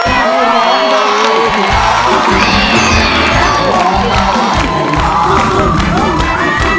เรียนร้องได้ให้ตาม